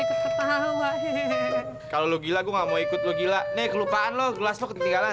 ketawa hehehe kalau gila gua nggak mau ikut gila nih kelupaan lo gelas lo ketinggalan